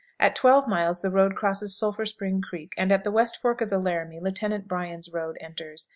At twelve miles the road crosses Sulphur Spring Creek, and at the West Fork of the Laramie Lieutenant Bryan's road enters.